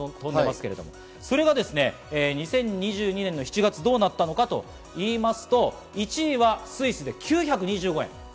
それが２０２２年７月、どうなったのかと言いますと、１位はスイスで９２５円。